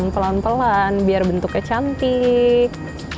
pelan pelan biar bentuknya cantik